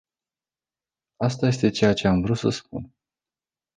Asta este ceea ce am vrut să spun.